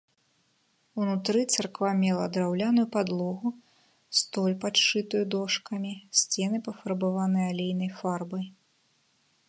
Унутры царква мела драўляную падлогу, столь падшытую дошкамі, сцены пафарбаваны алейнай фарбай.